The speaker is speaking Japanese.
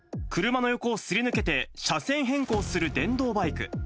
車の横をすり抜けて車線変更する電動バイク。